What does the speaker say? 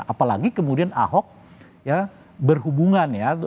apalagi kemudian ahok ya berhubungan ya